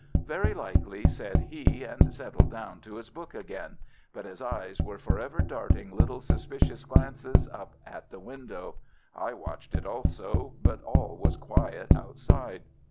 "Very likely," said he, and settled down to his book again, but his eyes were for ever darting little suspicious glances up at the window. I watched it also, but all was quiet outside.